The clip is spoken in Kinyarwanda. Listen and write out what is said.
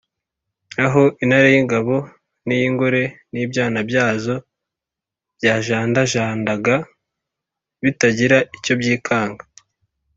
aho intare y’ingabo n’iy’ingore n’ibyana byazo byajandajandaga bitagira icyo byikanga?